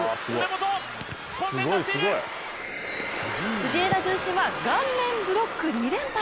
藤枝順心は顔面ブロック２連発。